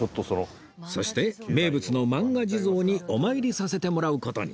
そして名物のマンガ地蔵にお参りさせてもらう事に